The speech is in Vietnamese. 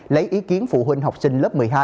lấy ý kiến phụ huynh học sinh lớp một mươi hai